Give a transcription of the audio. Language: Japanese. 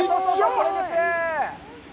これですー。